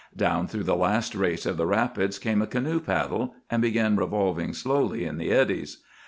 Down through the last race of the rapids came a canoe paddle, and began revolving slowly in the eddies.